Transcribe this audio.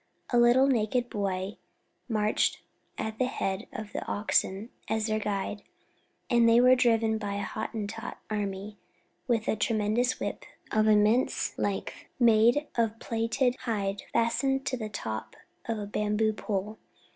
A little naked boy marched at the head of the oxen as their guide, and they were driven by a Hottentot, armed with a tremendous whip of immense length, made of plaited hide fastened to the top of a bamboo pole.